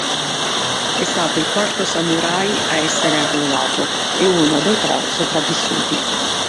È stato il quarto samurai a essere arruolato e uno dei tre sopravvissuti.